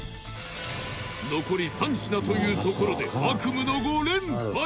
残り３品というところで悪夢の５連敗